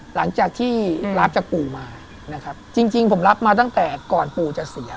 หลังจากที่รับจากกูมาจริงผมรับมาตั้งแต่ก่อนปู่จะเสีย